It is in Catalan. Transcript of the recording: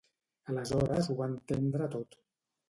Aleshores Ho va entendre tot.